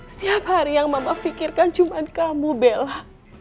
setiap hari yang mama fikirkan cuman kamu bella